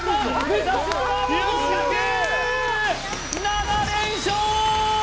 ７連勝！